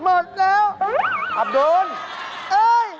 เหปาตะเกะเหปาตะเกะ